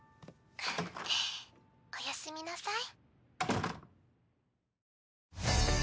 ふふっおやすみなさい。